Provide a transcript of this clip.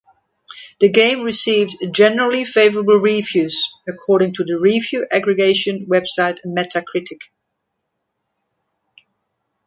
The game received "generally favourable reviews" according to the review aggregation website Metacritic.